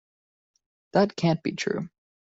That can't be true.